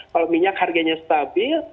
kalau minyak harganya stabil